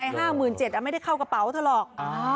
๕๗๐๐บาทไม่ได้เข้ากระเป๋าเธอหรอก